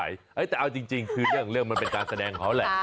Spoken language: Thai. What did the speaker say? แต่เอาจริงคือเรื่องมันเป็นการแสดงเขาแหละ